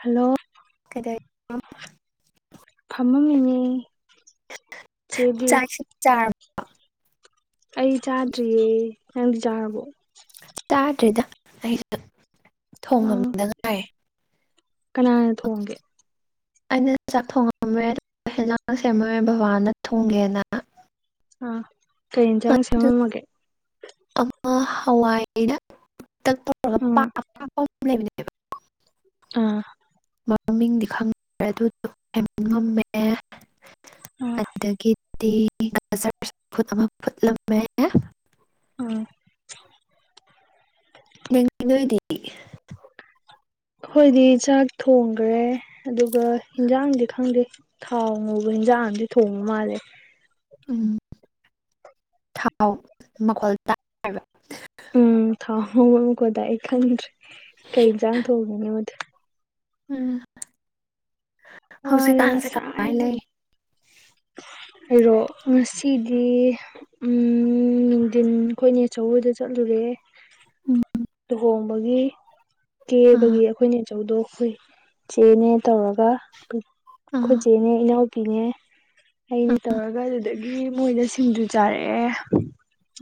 hello ꯀꯩꯗꯧꯔꯤꯅꯣ ꯐꯃ ꯑ ꯆꯥꯏ ꯆꯥ ꯑꯩ ꯆꯥꯗ꯭ꯔꯤꯌꯦ ꯅꯪꯗꯤ ꯆꯥꯔꯕꯣ ꯆꯥꯗ꯭ꯔꯤꯗ ꯑꯩꯁꯨ ꯊꯣꯡꯉꯝꯗ ꯉꯥꯏ ꯀꯅꯥ ꯊꯣꯡꯒꯦ ꯑꯩꯅ ꯆꯥꯛ ꯊꯣꯡꯉꯝꯃꯦꯦ ꯍꯦꯟꯖꯥꯡ ꯁꯦꯝꯃꯝꯃꯦ ꯕꯕꯥꯅ ꯊꯣꯡꯒꯦꯅ ꯑꯥ ꯀꯩ ꯌꯦꯟꯁꯥꯡ ꯑꯗꯨ ꯁꯦꯝꯃꯝꯃꯒꯦ ꯑꯃ ꯍꯋꯥꯏꯗ ꯇꯧꯔꯒ ꯑꯥ ꯂꯩꯕꯅꯦꯕ ꯑꯥ ꯃꯃꯤꯡꯗꯤ ꯈꯪꯗ꯭ꯔꯦ ꯑꯗꯨ ꯉꯝꯃꯦ ꯑꯥ ꯑꯗꯒꯤ ꯖ ꯐꯨꯠ ꯑꯃ ꯐꯨꯠꯂꯝꯃꯦ ꯑꯥ ꯗꯤ [inaudible] ꯑꯩꯣꯏꯗꯤ ꯆꯥꯛ ꯊꯣꯡꯈ꯭ꯔꯦ ꯑꯗꯨꯒ ꯏꯟꯖꯥꯡꯗꯤ ꯈꯪꯗꯦ ꯊꯥꯎ ꯉꯨꯕꯅꯤ ꯖꯗꯤ ꯊꯣꯡꯉ ꯃꯥꯦ ꯎꯝ ꯊꯥꯎ ꯃꯈꯣꯜ ꯇꯕ ꯎꯝ ꯊꯥ ꯍꯣꯡ ꯑꯃꯀꯣꯗꯥ ꯑꯩ ꯈꯟꯗ꯭ꯔꯦ ꯀꯩ ꯌꯦꯟꯖꯥꯡ ꯊꯣꯡꯒꯅꯤ ꯃꯗꯨ ꯎꯝ ꯍꯧꯧꯁꯤ ꯋꯥꯔꯦ ꯀꯥꯟꯁꯦ ꯀꯕꯥꯥꯏ ꯉꯁꯥꯏꯗꯩ ꯂꯩ ꯑꯩꯔꯣ ꯉꯁꯤꯗꯤ ꯅꯨꯡꯊꯤꯟ ꯑꯩꯈꯣꯏꯅꯦ ꯑꯆꯧꯕꯣꯏꯗ ꯆꯠꯂꯨꯔꯦ ꯎꯝ ꯂꯨꯍꯣꯡꯕꯒꯤ ꯑꯥ ꯀꯦꯕꯒꯤ ꯑꯩꯈꯣꯏꯅꯆꯧꯗꯣ ꯑꯩꯈꯣꯏ ꯏꯆꯦꯅꯦ ꯇꯧꯔꯒ ꯑꯩ ꯑꯩꯈꯣꯏ ꯑꯥ ꯆꯦꯅꯦ ꯏꯅꯥꯎꯄꯤꯅꯦ ꯑꯩꯅ ꯑꯥ ꯇꯧꯔꯒ ꯑꯗꯨꯗꯒꯤ ꯃꯣꯏꯗ ꯁꯤꯡꯖꯨ ꯆꯥꯔꯛꯑꯦ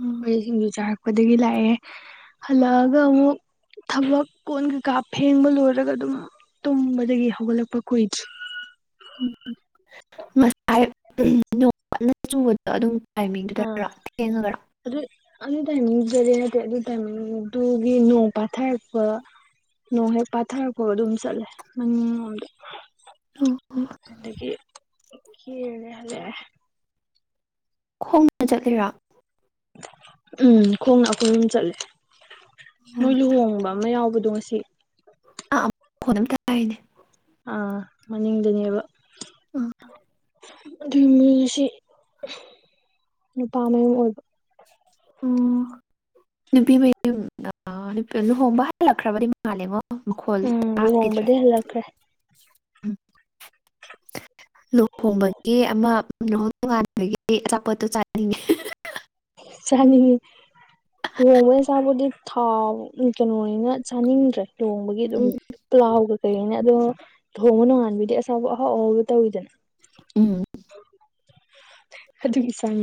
ꯎꯝ ꯃꯣꯏꯗ ꯁꯤꯡꯖꯨ ꯆꯥꯔꯛꯄ ꯄꯗꯒꯤ ꯂꯥꯛꯑꯦ ꯍꯜꯂꯛꯑꯒ ꯑꯃꯨꯛ ꯊꯕꯛ ꯀꯣꯟ ꯀꯩꯀꯥ ꯐꯦꯡꯕ ꯂꯣꯏꯔꯒ ꯑꯗꯨꯝ ꯇꯨꯝꯕꯗꯥꯒꯤ ꯍꯧꯒꯠꯂꯛꯄ ꯀꯨꯏꯗ꯭ꯔꯤ ꯑꯝ ꯉꯁꯥꯏ ꯅꯣꯡ ꯀꯟꯅ ꯆꯨꯕꯗꯣ ꯑꯗꯨꯝ ꯑꯥ ꯇꯥꯏꯃꯤꯡꯗꯨꯗꯔꯣ ꯊꯦꯡꯉꯒꯔꯣ ꯑꯗꯨ ꯑꯗꯨꯗꯥꯅꯤ ꯑꯗꯨꯗꯗꯤ ꯅꯠꯇꯦ ꯑꯗꯨꯏ ꯇꯥꯏꯃꯤꯡ ꯑꯗꯨꯒꯤ ꯅꯣꯡ ꯄꯊꯥꯔꯛꯄ ꯅꯣꯡ ꯍꯦꯛ ꯄꯥꯊꯔꯛꯄꯥꯒ ꯑꯗꯨꯝ ꯆꯠꯂꯦ ꯃꯅꯤꯡꯂꯣꯝꯗ [inaudible] ꯈꯣꯡꯅ ꯆꯠꯂꯤꯔꯥ ꯑꯝ ꯈꯣꯡꯅ ꯑꯈꯣꯏ ꯑꯗꯨꯝ ꯆꯠꯂꯦ ꯎꯝ ꯃꯣꯏ ꯂꯨꯍꯣꯡꯕ ꯑꯃꯥ ꯌꯥꯎꯕ ꯄꯨꯗꯣꯏꯁꯤ ꯑꯥ ꯃꯈꯣꯟ ꯑꯃꯥ ꯇꯥꯏꯅꯦ ꯑꯥ ꯃꯅꯤꯡꯗꯥꯅꯦꯕ ꯑꯣ ꯑꯗꯨꯅꯦ ꯉꯁꯤ ꯅꯨꯄꯥ ꯃꯌꯨꯝ ꯑꯣꯏꯕ ꯑꯣ ꯅꯨꯄꯤ ꯃꯌꯨꯝ ꯂꯨꯍꯣꯡꯕ ꯍꯜꯂꯛꯈ꯭ꯔꯕꯗꯤ ꯃꯥꯜꯂꯦꯉꯣ ꯃꯈꯣꯜ ꯎꯝ ꯇꯥꯈꯤꯗ꯭ꯔꯦ ꯂꯨꯍꯣꯡꯕꯗꯩ ꯍꯜꯂꯛꯈ꯭ꯔꯦ ꯑꯝ [inaudible] ꯂꯨꯍꯣꯡꯕꯒꯤ ꯑꯃꯥ ꯂꯨꯍꯣꯡ ꯅꯣꯡꯉꯥꯟꯕꯒꯤ ꯑꯆꯥꯄꯣꯠꯇꯣ ꯆꯥꯅꯤꯡꯉꯦ ꯆꯅꯤꯡꯏ ꯂꯨꯍꯣꯡꯕꯩ ꯆꯥꯕꯗꯤ ꯊꯥꯎ ꯀꯩꯅꯣꯅꯤꯅ ꯆꯥꯅꯤꯡꯗ꯭ꯔꯦ ꯂꯨꯕꯒꯤ ꯑꯗꯨꯝ ꯎꯝ ꯄ꯭ꯂꯥꯎ ꯀꯩꯩꯀꯩ ꯍꯦꯡꯉꯨꯅꯦ ꯑꯗꯣ ꯂꯨꯍꯣꯡꯕ ꯅꯣꯡꯉꯥꯟꯕꯩꯗꯤ ꯑꯆꯥꯄꯣꯠ ꯑꯍꯥꯎ ꯑꯍꯥꯎꯕ ꯇꯧꯏꯗꯥꯅ ꯑꯝ ꯑꯗꯨꯒꯤ ꯆꯥꯡ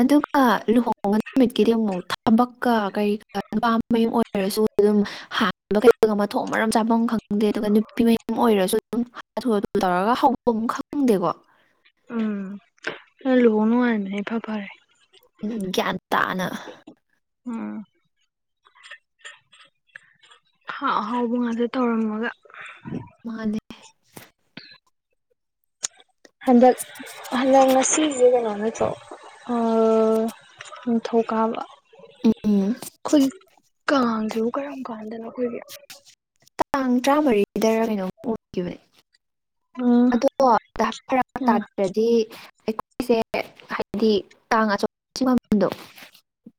ꯑꯗꯨꯒ ꯂꯨꯍꯣꯡꯉꯥꯟ ꯅꯨꯃꯤꯠꯀꯤꯗꯤ ꯃꯧꯅꯥ ꯊꯥꯕꯛꯀ ꯀꯩꯀꯥ ꯅꯨꯄꯥ ꯃꯌꯨꯝ ꯑꯣꯏꯔꯁꯨ ꯑꯗꯨꯝ ꯍꯥꯟꯕ ꯀꯩꯗꯧꯕ ꯃꯊꯣꯡ ꯃꯔꯝ ꯆꯥꯚꯝ ꯈꯪ ꯈꯪꯗꯦ ꯑꯗꯨꯒ ꯅꯨꯄꯤ ꯃꯌꯨꯝ ꯑꯣꯏꯔꯁꯨ ꯑꯗꯨꯝ ꯍꯥꯊꯨ ꯍꯥꯊꯨ ꯇꯧꯔꯒ ꯍꯧꯚꯝ ꯈꯪꯗꯦꯀꯣ ꯑꯝ ꯂꯨꯍꯣꯡ ꯅꯣꯡꯉꯥꯟꯕꯁꯤꯅ ꯏꯐꯥ ꯐꯥꯔꯦ ꯄꯥꯔꯦ ꯎꯝ, ꯒ꯭ꯌꯥꯟ ꯇꯥꯅ ꯑꯝ ꯑꯍꯥꯎ ꯑꯍꯥꯎꯕ ꯉꯥꯛꯇ ꯇꯧꯔꯝꯃꯥꯒ ꯃꯥꯅꯦ ꯍꯟꯗꯛ ꯍꯟꯗꯛ ꯉꯁꯤꯁꯦ ꯀꯩꯅꯣ ꯅꯠꯇ꯭ꯔꯣ ꯑꯥ ꯊꯧꯒꯥꯝ ꯎꯝ ꯎꯝ ꯈꯨꯜ ꯀꯥꯡꯁꯤꯕꯨ ꯀꯔꯝ ꯀꯥꯟꯗꯅꯣ ꯑꯈꯣꯏꯒꯤ ꯇꯥꯡ ꯇꯔꯥꯃꯔꯤꯗꯥꯔ ꯀꯩꯅꯣꯝ ꯑꯣꯒꯤꯕꯅꯤ ꯎꯝ ꯑꯗꯣ ꯐꯥꯔꯛ ꯑꯥ ꯇꯥꯗ꯭ꯔꯗꯤ ꯑꯈꯣꯏꯁꯦ ꯍꯥꯏꯗꯤ ꯀꯥꯡ ꯑꯁꯣꯝ ꯆꯤꯡꯗꯨ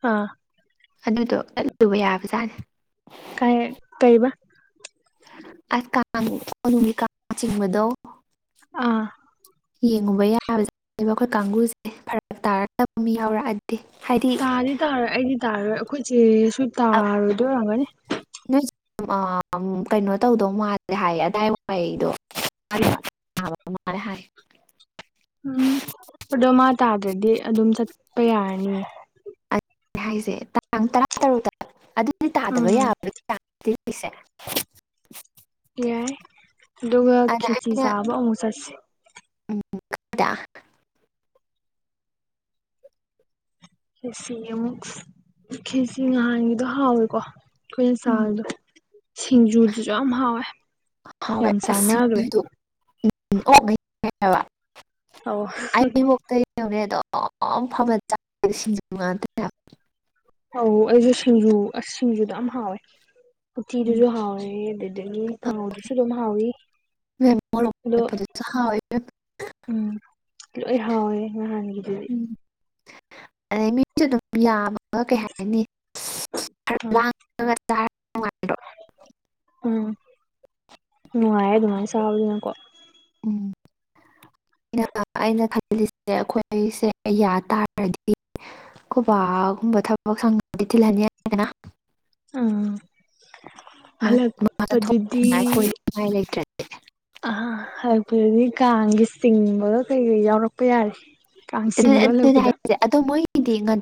ꯑꯥ ꯑꯗꯨꯗꯣ ꯆꯜꯂꯨꯕ ꯌꯥꯕꯖꯥꯠꯅꯤ ꯀꯩ ꯀꯩꯕ ꯀꯥꯡ ꯀꯣꯅꯨꯡꯒꯤ ꯀꯥꯡ ꯆꯤꯡꯕꯗꯣ ꯑꯥ ꯌꯦꯡꯉꯨꯕ ꯌꯥꯕꯁ ꯖꯥꯠꯅꯤ ꯑꯩꯈꯣꯏ ꯀꯥꯡꯕꯨꯁꯦ ꯐꯥꯔꯛ ꯇꯥꯕ ꯃꯤ ꯌꯥꯎꯔꯛꯑꯗꯤ ꯍꯥꯏꯗꯤ ꯇꯥꯗꯤ ꯇꯥꯔꯣꯏ ꯑꯩꯗꯤ ꯇꯥꯔꯔꯣꯏ ꯑꯈꯣꯏ ꯆꯦꯁꯨ ꯑ ꯇꯥꯔꯣꯏꯗꯣꯏ ꯑꯣꯏꯔꯝꯅꯤ ꯅꯣꯏ ꯀꯩꯅꯣ ꯇꯧꯗꯧ ꯃꯥꯜꯂꯦ ꯍꯥꯏꯌꯦ ꯑꯗꯥꯏ ꯋꯥꯏꯗꯣ ꯃꯥꯜꯂꯦ ꯍꯥꯏ ꯑꯝ ꯑꯗꯣ ꯃꯥ ꯇꯥꯗ꯭ꯔꯗꯤ ꯑꯗꯨꯝ ꯆꯠꯄꯥ ꯌꯥꯔꯅꯤꯅꯦ ꯑꯗꯨꯅꯦ ꯍꯥꯏꯁꯦ ꯇꯥꯡ ꯇꯔꯥꯇꯔꯨꯛꯇꯥ ꯑꯗꯨꯗꯤ ꯇꯥꯗꯕ ꯎꯝ ꯌꯥꯕ꯭ꯔꯥ ꯍꯥꯏꯅꯦ ꯆꯠꯂꯨꯁꯦ ꯌꯥꯏ ꯑꯗꯨꯒ ꯈꯦꯆ꯭ꯔꯤ ꯆꯥꯕ ꯑꯃꯨꯛ ꯆꯠꯁꯦ ꯑꯝ ꯗꯥ ꯈꯦꯁꯤ ꯑꯃꯨꯛ ꯈꯦꯁꯤ ꯉꯍꯥꯟꯒꯤꯗꯣ ꯍꯥꯎꯋꯦꯀꯣ ꯑꯩꯈꯣꯏꯅ ꯎꯝ ꯁꯥꯜꯗꯣ ꯁꯤꯡꯖꯨꯗꯨꯁꯨ ꯌꯥꯝ ꯍꯥꯎꯋꯦ ꯌꯥꯝ ꯆꯥꯟꯅꯈ꯭ꯔꯦ ꯎ ꯑꯣꯩꯕ ꯑ ꯧꯅꯦ ꯑꯗꯨꯝ ꯐꯝꯅ ꯆ ꯁꯤꯡꯖ ꯉꯇꯅꯦ ꯍꯧ ꯑꯩꯁꯨ ꯁꯤꯡꯖꯨ ꯑꯁ ꯁꯤꯡꯖꯨꯗꯣ ꯌꯥꯝ ꯍꯥꯎꯋꯦ ꯍꯥꯏꯕ ꯎꯇꯤꯗꯨꯁꯨ ꯍꯥꯎꯋꯦ ꯑꯗꯨꯗꯒꯤ ꯀꯥꯡꯉꯧꯗꯨꯁꯨ ꯑꯗꯨꯝ ꯍꯥꯎꯋꯤ ꯑꯗꯣ ꯁ ꯎꯝ ꯂꯣꯏ ꯍꯥꯎꯋꯦ ꯅꯍꯥꯟꯒꯤꯗꯨꯗꯤ ꯑꯗꯩ ꯃꯤꯁꯨ ꯑꯗꯨꯝ ꯌꯥꯝꯃꯒ ꯀꯩ ꯍꯥꯏꯅꯤ ꯑꯥ ꯣ ꯅꯨꯡꯉꯥꯏ ꯑꯗꯨꯃꯥꯏꯅ ꯁꯥꯕꯅꯤꯅꯀꯣ ꯎꯝ ꯑꯩꯅ ꯑꯩꯅ ꯈꯜꯂꯤꯁꯦ ꯑꯩꯈꯣꯏꯁꯦ ꯌꯥ ꯇꯥꯔꯗꯤ ꯀꯣꯕꯒꯨꯝꯕ ꯊꯕꯛ ꯁꯪꯗꯤ ꯊꯤꯜꯍꯟꯅꯤꯗꯅ ꯎꯝ ꯍꯜꯂꯛꯄꯗꯨꯗꯤ ꯉꯥꯏꯉꯥꯏ ꯂꯩꯇ꯭ꯔꯦ ꯑ ꯍꯥꯏꯄꯗꯤ ꯀꯥꯡꯒꯤ ꯆꯤꯡꯕꯗ ꯀꯩꯀꯩ ꯌꯥꯎꯔꯛꯄ ꯌꯥꯔꯦ ꯀꯥꯡ ꯆꯤꯡꯕ ꯍꯜꯂꯛꯄꯗ ꯑꯗꯨꯦ ꯑꯣ ꯃꯣꯏꯒꯤꯗꯤꯡ ꯉꯟ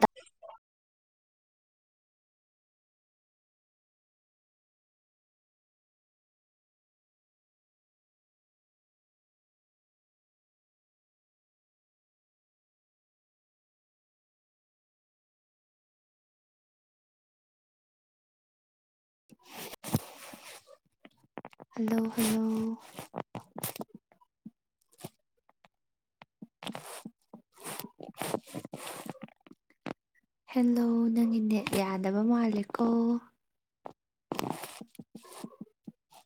[unintelligible] ꯍꯜꯂꯣ ꯍꯜꯂꯣ ꯑ ꯍꯦꯜꯂꯣ ꯅꯪꯒꯤ ꯅꯦꯠ ꯌꯥꯗꯕ ꯃꯥꯂꯦꯀꯣ